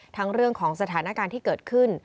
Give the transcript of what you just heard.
เรื่องของสถานการณ์ที่เกิดขึ้น